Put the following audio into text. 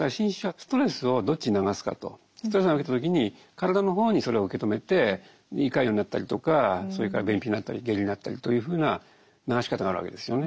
ストレス受けた時に体の方にそれを受け止めて胃潰瘍になったりとかそれから便秘になったり下痢になったりというふうな流し方があるわけですよね。